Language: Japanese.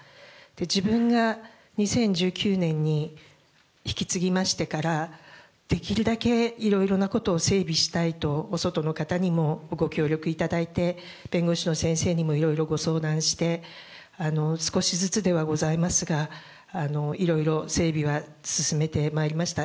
自分が２０１９年に引き継ぎましてから、できるだけいろいろなとを整備したいと、お外の方にもご協力いただいて、弁護士の先生にもいろいろご相談して、少しずつではございますがいろいろ整備は進めてまいりました。